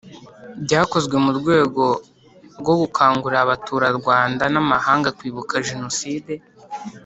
Byakozwe mu rwego rwo gukangurira Abaturarwanda n’amahanga Kwibuka Jenoside